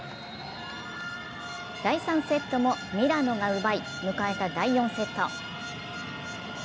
第３セットもミラノが奪い迎えた第４セット。